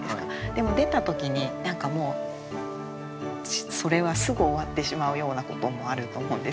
でも出た時に何かもうそれはすぐ終わってしまうようなこともあると思うんですけど。